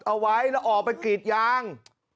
เอาไว้แล้วออกไปกรีดยาง